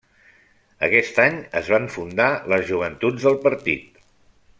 Aquest any es van fundar les Joventuts del partit.